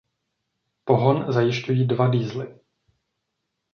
Pohon zajišťují dva diesely.